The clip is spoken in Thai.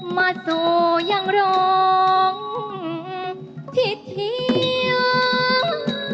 มาตัวยังร้องทิศเทียง